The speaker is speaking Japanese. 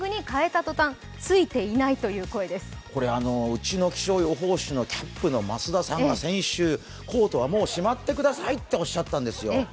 うちの気象予報士の増田さんが先週、コートはもうしまってくださいとおっしゃったんですよ。